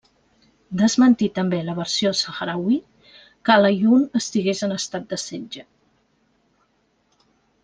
Desmentí també la versió sahrauí que Al-Aaiun estigués en estat de setge.